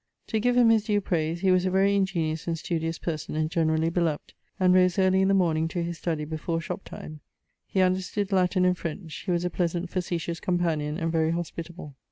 To give him his due prayse, he was a very ingeniose and studious person, and generally beloved, and rose early in the morning to his study before shop time. He understood Latin and French. He was a pleasant facetious companion, and very hospitable.